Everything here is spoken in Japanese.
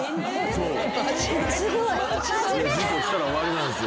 事故したら終わりなんですよ。